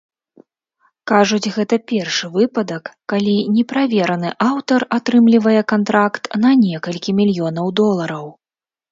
Кажуць, гэта першы выпадак, калі неправераны аўтар атрымлівае кантракт на некалькі мільёнаў долараў.